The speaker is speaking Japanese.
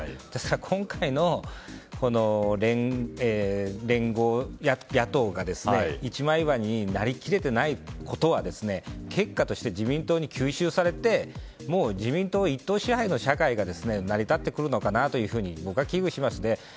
今回の野党が一枚岩になり切れていないことは結果として自民党に吸収されて自民党一党支配の社会が成り立ってくるのかなと僕は危惧しますね。